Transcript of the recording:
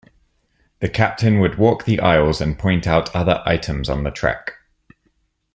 The captain would walk the aisles and point out other items on the trek.